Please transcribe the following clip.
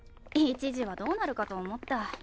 一時はどうなるかと思った。